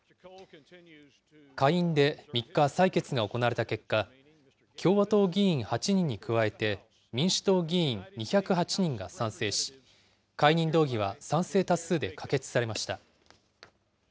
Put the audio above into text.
下院で３日、採決が行われた結果、共和党議員８人に加えて、民主党議員２０８人が賛成し、解任動議は賛成多数で可決されました。